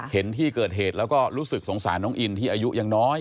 เห็นที่เกิดเหตุแล้วก็รู้สึกสงสารน้องอินที่อายุยังน้อย